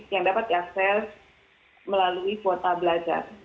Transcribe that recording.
yang dapat diakses melalui kuota belajar